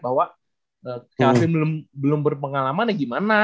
bahwa kevin belum berpengalaman ya gimana